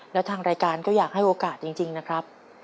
แล้วทางรายการก็อยากให้โอกาสจริงนะครับ